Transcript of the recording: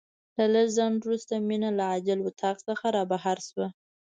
له لږ ځنډ وروسته مينه له عاجل اتاق څخه رابهر شوه.